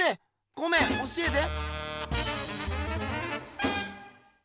ごめん教えて。